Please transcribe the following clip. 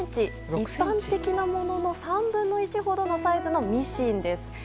一般的なものの３分の１ほどのサイズのミシンです。